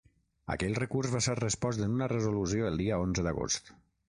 Aquell recurs va ser respost en una resolució el dia onze d’agost.